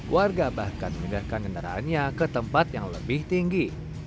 warga bahkan mengindarkan kendaraannya ke tempat yang lebih tinggi